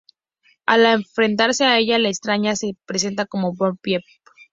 Al enfrentarse a ella, la extraña se presenta como Boogiepop.